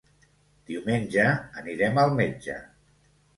Diumenge anirem al metge.